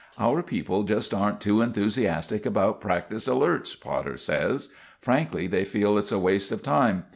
"Our people just aren't too enthusiastic about practice alerts," Potter says. "Frankly, they feel it's a waste of time.